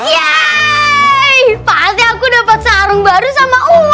yay pernah aku dapat sarung baru sama uang deh